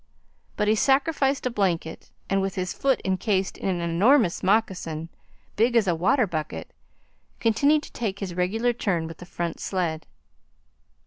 But he sacrificed a blanket, and, with his foot incased in an enormous moccasin, big as a water bucket, continued to take his regular turn with the front sled.